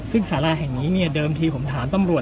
ซึ่งสาราแห่งนี้เดิมทีผมถามตำรวจ